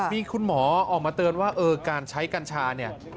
มีคุณหมอออกมาเตือนว่าเออการใช้กัญชาเนี่ย